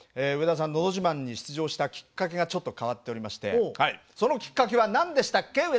上田さん「のど自慢」に出場したきっかけがちょっと変わっておりましてそのきっかけは何でしたっけ？